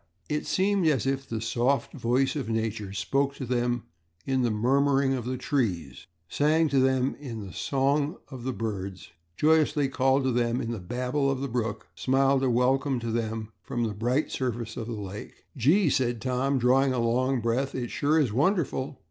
It seemed as if the soft voice of Nature spoke to them in the murmuring of the trees, sang to them in the song of the birds, joyously called to them in the babble of the brook, smiled a welcome to them from the bright surface of the lake. "Gee!" said Tom, drawing a long breath. "It sure is wonderful!"